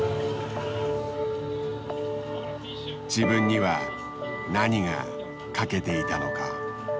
自分には何が欠けていたのか。